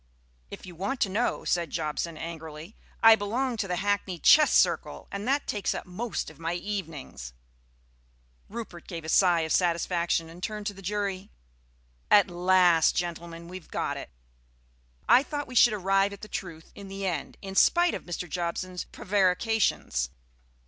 "If you want to know," said Jobson angrily, "I belong to the Hackney Chess Circle, and that takes up most of my evenings." Rupert gave a sigh of satisfaction and turned to the jury. "At last, gentlemen, we have got it. I thought we should arrive at the truth in the end, in spite of Mr. Jobson's prevarications."